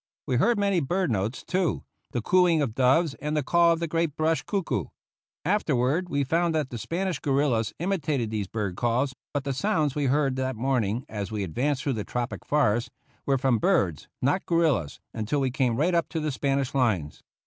We heard many bird notes, too, the cooing of doves and the call of a great brush cuckoo. Afterward we found that the Spanish guerillas imitated these bird calls, but the sounds we heard that morning, as we advanced through the tropic forest, were from birds, not guerillas, until we came right up to the Spanish lines.